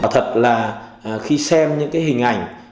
thật là khi xem những hình ảnh